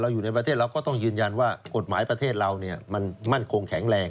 อยู่ในประเทศเราก็ต้องยืนยันว่ากฎหมายประเทศเรามันมั่นคงแข็งแรง